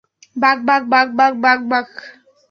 বাক, বাক, বাক, বাক, বাক, বাক।